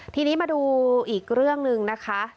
ทีนี้มาดูอีกเรื่องหนึ่งนะคะ